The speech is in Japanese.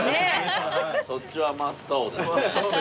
そっちは真っ青で。